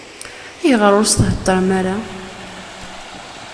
Ayɣer ur s-thedrem ara?